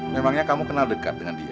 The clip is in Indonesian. memangnya kamu kenal dekat dengan dia